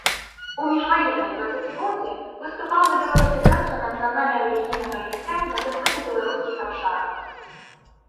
У міжваеннае дваццацігоддзе выступаў за беларусізацыю нацыянальна-рэлігійнага жыцця на заходнебеларускіх абшарах.